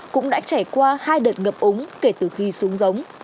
cũng đã trải qua hai đợt ngập úng kể từ khi xuống giống